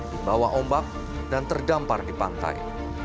dibawa ombak dan terdampar di pantai